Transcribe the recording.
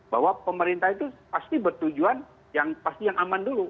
bahwa pemerintah itu pasti bertujuan yang pasti yang aman dulu